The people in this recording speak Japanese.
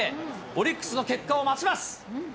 オリックスの結果を待ちます。